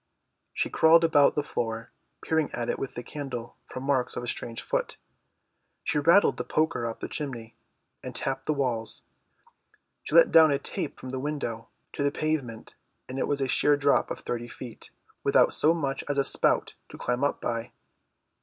She crawled about the floor, peering at it with a candle for marks of a strange foot. She rattled the poker up the chimney and tapped the walls. She let down a tape from the window to the pavement, and it was a sheer drop of thirty feet, without so much as a spout to climb up by.